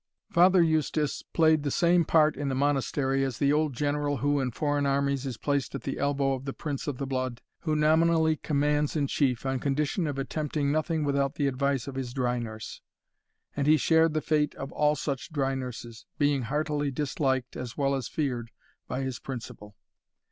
Father Eustace played the same part in the Monastery as the old general who, in foreign armies, is placed at the elbow of the Prince of the Blood, who nominally commands in chief, on condition of attempting nothing without the advice of his dry nurse; and he shared the fate of all such dry nurses, being heartily disliked as well as feared by his principal.